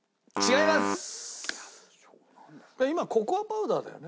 えっ今ココアパウダーだよね？